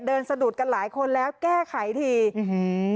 สะดุดกันหลายคนแล้วแก้ไขทีอื้อหือ